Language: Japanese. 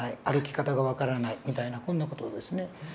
歩き方が分からないみたいなこんな事ですね。